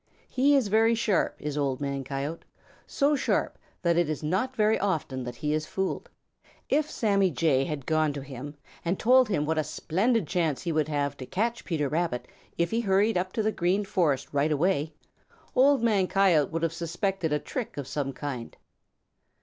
He is very sharp, is Old Man Coyote, so sharp that it is not very often that he is fooled. If Sammy Jay had gone to him and told him what a splendid chance he would have to catch Peter Rabbit if he hurried up to the Green Forest right away, Old Man Coyote would have suspected a trick of some kind.